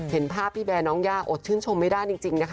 เห็นภาพพี่แบร์น้องย่าอดชื่นชมไม่ได้จริงนะคะ